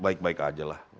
baik baik aja lah